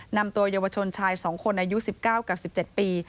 นำตัวเยาวชนชาย๒คนอายุ๑๙กับ๑๗ปี